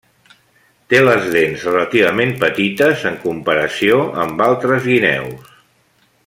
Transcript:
Té les dents relativament petites en comparació amb altres guineus.